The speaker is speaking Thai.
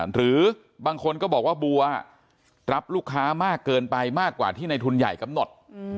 หรือบางคนก็บอกว่าบัวรับลูกค้ามากเกินไปมากกว่าที่ในทุนใหญ่กำหนด